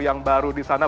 yang baru di sana